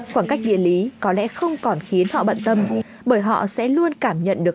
khoảng cách địa lý có lẽ không còn khiến họ bận tâm bởi họ sẽ luôn cảm nhận được